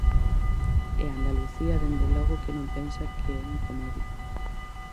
E Andalucía dende logo que non pensa que é unha comedia.